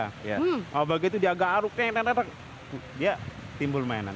kalau begitu dia agak aruk dia timbul mainan